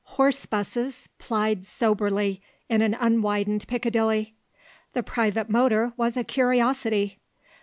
Horse 'buses plied soberly in an unwidened Piccadilly. The private motor was a curiosity.